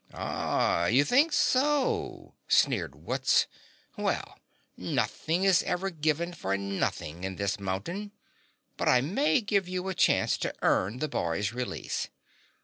"Ah, you think so?" sneered Wutz. "Well, nothing is ever given for nothing in this mountain, but I may give you a chance to earn the boy's release.